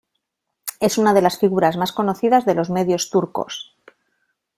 Es una de las figuras más conocidas de los medios turcos.